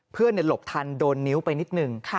หลบทันโดนนิ้วไปนิดนึง